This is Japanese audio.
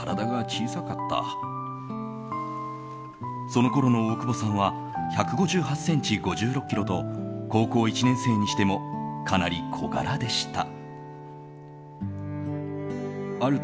そのころの大久保さんは１５８ｃｍ、５６ｋｇと高校１年生にしてもかなり小柄でした。